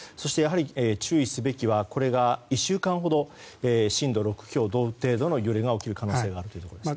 注意すべきはこれが１週間ほど震度６強、同程度の揺れが起きる可能性があるということです。